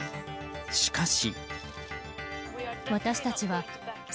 しかし。